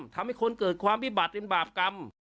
ทำให้คนเกิดความวิบัติเป็นบาปกรรม